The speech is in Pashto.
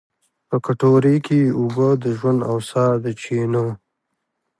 په کټورې کې یې اوبه، د ژوند او سا د چېنو